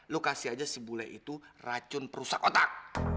lo kasih aja si bule itu racun perusak otak